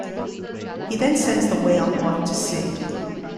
He then sends the whale off to sea.